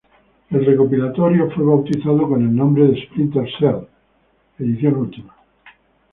El recopilatorio fue bautizado con el nombre Splinter Cell: Ultimate Edition.